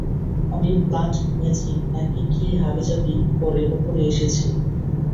আমি blood matching নাকি কী হাবিজাবি করে উপরে এসেছি।